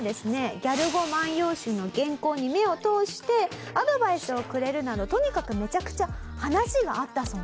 「ギャル語万葉集」の原稿に目を通してアドバイスをくれるなどとにかくめちゃくちゃ話が合ったそうなんです。